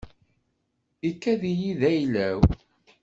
Ikad-iyi-d d ayla-w.